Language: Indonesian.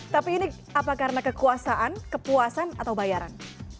tapi ini apa karena kekuasaan kepuasan atau bayaran